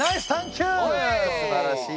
すばらしい！